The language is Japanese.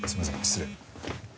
失礼。